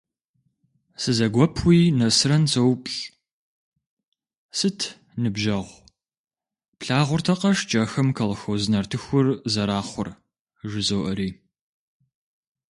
Сызэгуэпуи Нэсрэн соупщӏ:- Сыт, ныбжьэгъу, плъагъуртэкъэ шкӏэхэм колхоз нартыхур зэрахъур? - жызоӏэри.